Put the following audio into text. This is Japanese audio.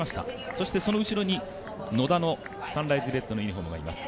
そしてその後ろに野田のサンライズレッドのユニフォームがいます。